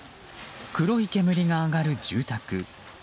黒い煙が上がる住宅。